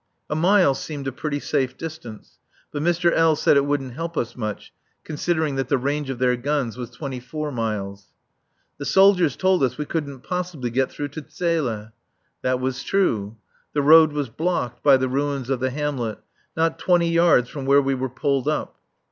A mile seemed a pretty safe distance; but Mr. L. said it wouldn't help us much, considering that the range of their guns was twenty four miles. The soldiers told us we couldn't possibly get through to Zele. That was true. The road was blocked by the ruins of the hamlet not twenty yards from where we were pulled up.